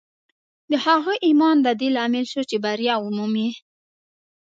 د هغه ایمان د دې لامل شو چې بریا ومومي